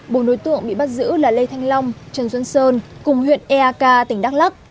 bốn đối tượng bị bắt giữ là lê thanh long trần xuân sơn cùng huyện eak tỉnh đắk lắc